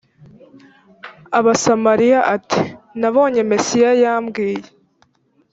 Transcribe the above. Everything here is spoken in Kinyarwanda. abasamariya ati nabonye mesiya yambwiye